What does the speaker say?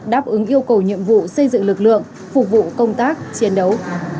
đáp ứng yêu cầu nhiệm vụ xây dựng lực lượng phục vụ công tác chiến đấu